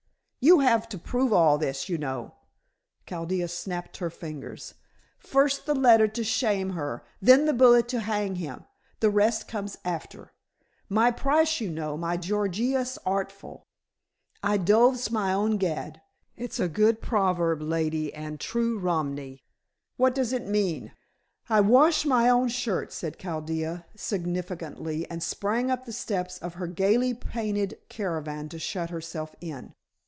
"You have to prove all this, you know." Chaldea snapped her fingers. "First, the letter to shame her; then the bullet to hang him. The rest comes after. My price, you know, my Gorgious artful. I toves my own gad. It's a good proverb, lady, and true Romany." "What does it mean?" "I wash my own shirt," said Chaldea, significantly, and sprang up the steps of her gaily painted caravan to shut herself in.